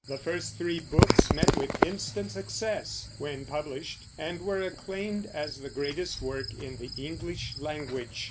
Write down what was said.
The first three books met with instant success when published and were acclaimed as the greatest work in the English language.